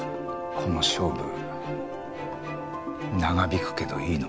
この勝負長引くけどいいの？